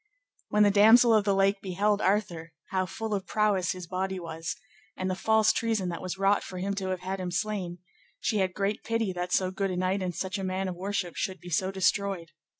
When the Damosel of the Lake beheld Arthur, how full of prowess his body was, and the false treason that was wrought for him to have had him slain, she had great pity that so good a knight and such a man of worship should so be destroyed.